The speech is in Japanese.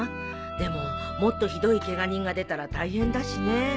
でももっとひどいケガ人が出たら大変だしねえ。